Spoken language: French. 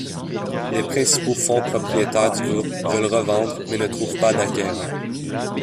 Les principaux fonds propriétaires du groupe veulent revendre, mais ne trouvent pas d’acquéreur.